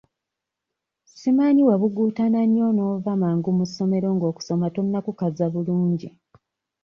Simanyi wabuguutana nnyo n'ova mangu mu ssomero ng'okusoma tonnakukaza bulungi?